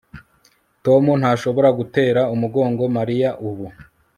Tom ntashobora gutera umugongo Mariya ubu